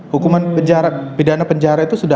hukuman penjara pidana penjara itu sudah